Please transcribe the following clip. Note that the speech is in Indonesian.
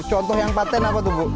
contoh yang patent apa tuh bu